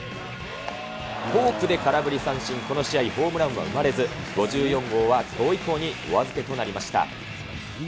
フォークで空振り三振、この試合ホームランは生まれず、５４号はきょう以降にお預けとなりました。